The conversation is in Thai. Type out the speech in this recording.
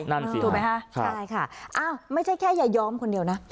ใช่ค่ะไม่ใช่แค่ยาย้อมคนเดียวนะ